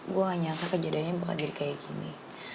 gue gak nyangka kejadiannya bukan jadi kayak gini